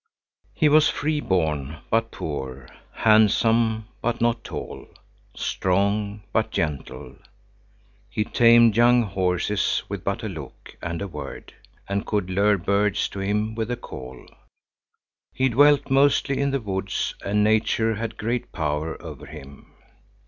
He was freeborn, but poor; handsome, but not tall; strong, but gentle. He tamed young horses with but a look and a word, and could lure birds to him with a call. He dwelt mostly in the woods, and nature had great power over him.